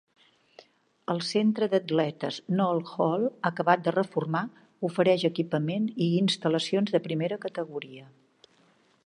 El centre d'atletes Nold Hall, acabat de reformar, ofereix equipaments i instal·lacions de primera categoria.